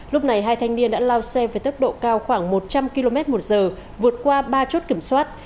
lúc này hai thanh niên đã lao xe với tốc độ cao khoảng một trăm linh km một giờ vượt qua ba chốt kiểm soát